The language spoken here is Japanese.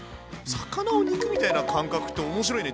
魚を肉みたいな感覚って面白いね。